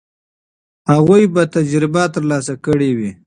هغوی به تجربه ترلاسه کړې وي.